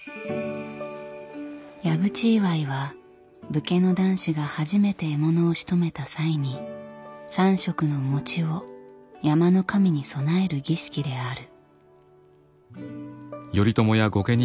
矢口祝いは武家の男子が初めて獲物をしとめた際に３色の餅を山の神に供える儀式である。